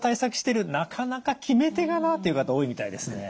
なかなか決め手がなという方多いみたいですね。